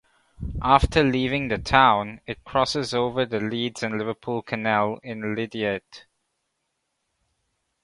After leaving the town, it crosses over the Leeds and Liverpool Canal in Lydiate.